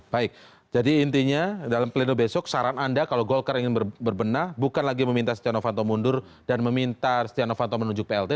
baik jadi intinya dalam pleno besok saran anda kalau golkar ingin berbenah bukan lagi meminta setia novanto mundur dan meminta setia novanto menunjuk plt